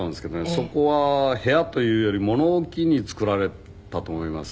そこは部屋というより物置に作られたと思います。